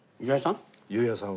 裕也さん？